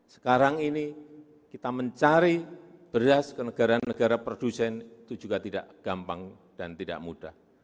sekarang ini kita mencari beras ke negara negara produsen itu juga tidak gampang dan tidak mudah